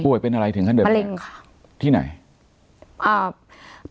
ป่วยเป็นอะไรถึงขั้นเดินไปที่ไหนมะเร็งค่ะ